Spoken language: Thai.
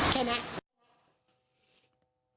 แค่นี้